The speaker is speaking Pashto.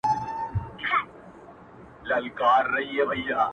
مور او پلار دواړه د اولاد په هديره كي پراته،